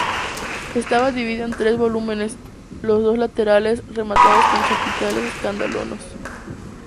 Estaba dividido en tres volúmenes, los dos laterales rematados con chapiteles escalonados.